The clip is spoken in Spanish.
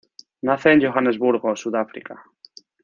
Nace en Johannesburgo, Sudáfrica.